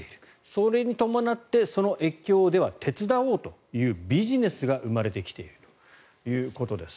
それに伴ってでは越境を手伝おうというビジネスが生まれてきているということです。